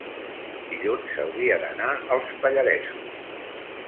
dilluns hauria d'anar als Pallaresos.